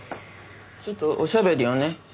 ちょっとおしゃべりをね。